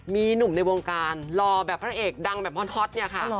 มีหนุ่มในวงการรอแบบพระเอกดังแบบฮอตเนี่ยค่ะ